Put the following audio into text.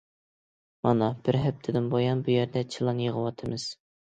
مانا بىر ھەپتىدىن بۇيان بۇ يەردە چىلان يىغىۋاتىمىز.